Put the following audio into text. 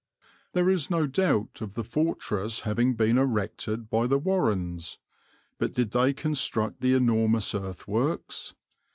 "There is no doubt of the fortress having been erected by the Warrennes, but did they construct the enormous earthworks?